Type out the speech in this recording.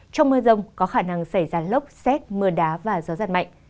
trong mưa rông có khả năng xảy ra lốc xét mưa đá và gió giật mạnh